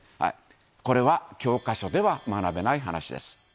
これは教科書では学べない話です。